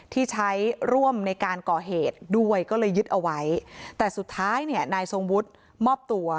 ที่ใช้ร่วมในการก่อเหตุด้วยก็เลยยึดเอาไว้แต่สุดท้ายเนี่ยนายทรงวุฒิมอบตัว